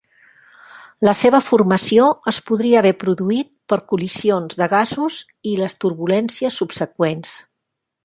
La seva formació es podria haver produït per col·lisions de gasos i les turbulències subseqüents.